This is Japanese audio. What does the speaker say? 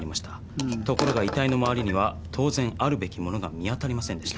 ところが遺体の周りには当然あるべき物が見当たりませんでした。